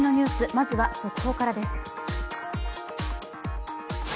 まずは速報からです。